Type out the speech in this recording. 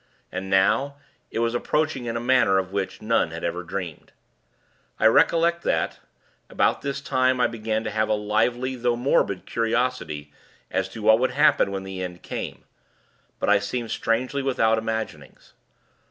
And now, it was approaching in a manner of which none had ever dreamed. I recollect that, about this time, I began to have a lively, though morbid, curiosity, as to what would happen when the end came but I seemed strangely without imaginings.